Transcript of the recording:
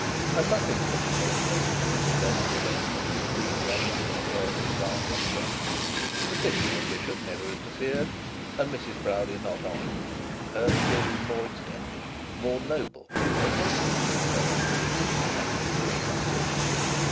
And nothing can be more pleasant than the present arrangement of ecclesiastical affairs in Barchester. The titular bishop never interfered, and Mrs Proudie not often. Her sphere is more extended, more noble, and more suited to her ambition than that of a cathedral city.